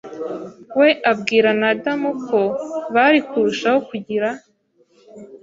we abwira na Adamu ko bari kurushaho kugira